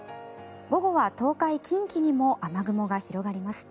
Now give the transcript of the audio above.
午後は東海、近畿にも雨雲が広がります。